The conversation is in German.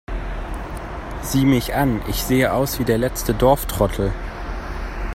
Sieh mich an, ich sehe aus wie der letzte Dorftrottel!